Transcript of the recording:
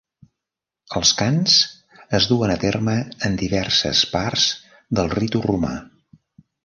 Els cants es duen a terme en diverses parts del ritu romà.